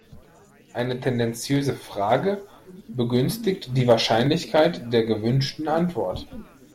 Eine tendenziöse Frage begünstigt die Wahrscheinlichkeit der gewünschten Antwort.